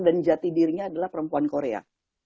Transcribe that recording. dan jati dirinya adalah perempuan korea